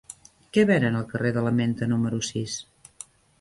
Què venen al carrer de la Menta número sis?